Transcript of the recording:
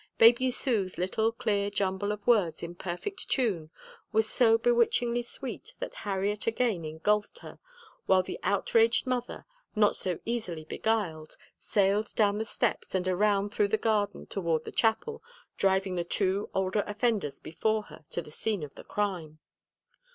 Baby Sue's little, clear jumble of words in perfect tune was so bewitchingly sweet that Harriet again engulfed her, while the outraged mother, not so easily beguiled, sailed down the steps and around through the garden toward the chapel, driving the two older offenders before her to the scene of the crime.